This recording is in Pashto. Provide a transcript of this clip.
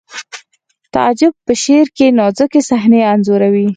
تعجب په شعر کې نازکې صحنې انځوروي